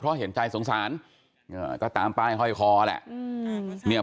เพราะเห็นใจสงสารก็ตามป้ายห้อยคอแหละ